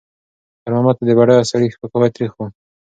خیر محمد ته د بډایه سړي سپکاوی تریخ و.